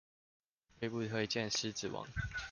推不推薦獅子王